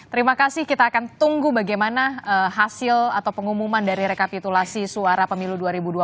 terima kasih kita akan tunggu bagaimana hasil atau pengumuman dari rekapitulasi suara pemilu dua ribu dua puluh